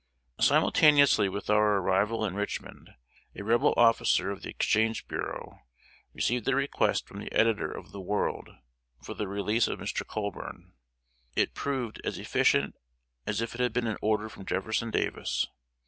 "] Simultaneously with our arrival in Richmond, a Rebel officer of the exchange bureau received a request from the editor of The World, for the release of Mr. Colburn. It proved as efficient as if it had been an order from Jefferson Davis.